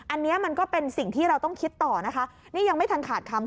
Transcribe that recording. อันนี้มันก็เป็นสิ่งที่เราต้องคิดต่อนะคะนี่ยังไม่ทันขาดคำ